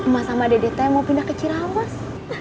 ma sama dede t mau pindah ke ciraos